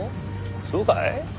そうかい？